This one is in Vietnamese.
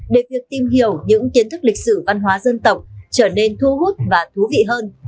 để việc tìm hiểu những kiến thức lịch sử văn hóa dân tộc trở nên thu hút và thú vị hơn